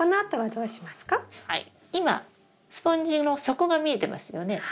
今スポンジの底が見えてますよね？